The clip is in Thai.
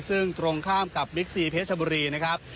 ซึ่งตรงข้ามกับบิ๊กซีเพชรบุรีนะครับ